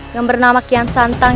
yang bernama kian santang